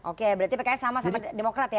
oke berarti pks sama sama demokrat ya